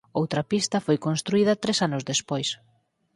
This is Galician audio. Outra pista foi construída tres anos despois.